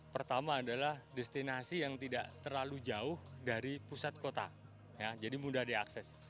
pertama adalah destinasi yang tidak terlalu jauh dari pusat kota jadi mudah diakses